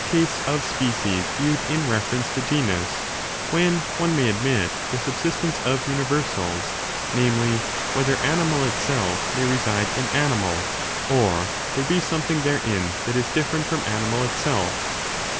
^ ^j^^ ^^^^^^^ specics viewcd in reference to genus, when one may admit the subsistence of universals — namely, whether animal itself may reside in animal, or there be something therein that is different from animal itself?